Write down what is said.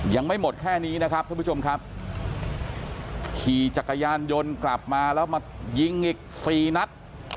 ยังไม่หมดแค่นี้นะครับท่านผู้ชมครับขี่จักรยานยนต์กลับมาแล้วมายิงอีกสี่นัด